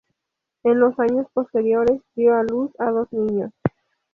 En los años posteriores dio a luz a dos niños.